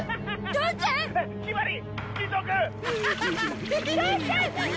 「父ちゃん！」